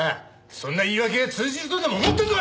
そんな言い訳が通じるとでも思ってるのか！